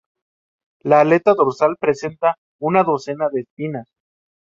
La aleta dorsal presenta una docena de espinas.